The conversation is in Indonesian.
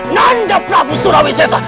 nanda prabu surawi sesa